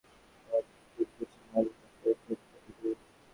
বিষয়টি জানতে গেলে প্রধান শিক্ষক আমাকে কিল-ঘুষি মারেন, এতে ঠোঁট ফেটে যায়।